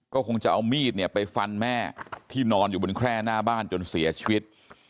ก็คงจะเอามีดเนี่ยไปฟันแม่ที่นอนอยู่บนแคร่หน้าบ้านจนเสียชีวิต